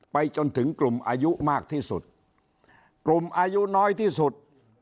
จนถึงกลุ่มอายุมากที่สุดกลุ่มอายุน้อยที่สุด